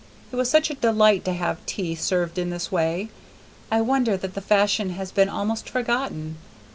It was such a delight to have tea served in this way. I wonder that the fashion has been almost forgotten.